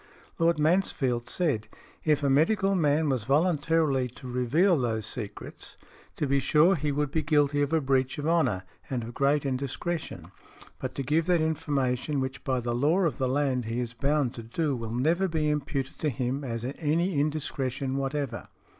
Lord Mansfield said, "If a medical man was voluntarily to reveal those secrets, to be sure he would be guilty of a breach of honour and of great indiscretion, but to give that information which by the law of the land he is bound to do will never be imputed to him as any indiscretion whatever" .